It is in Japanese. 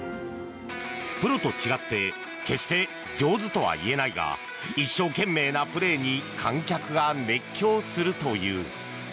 プロと違って決して上手とはいえないが一生懸命なプレーに観客が熱狂するという。